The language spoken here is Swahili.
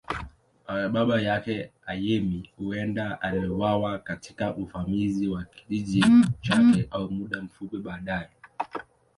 Baba yake, Ayemi, huenda aliuawa katika uvamizi wa kijiji chake au muda mfupi baadaye.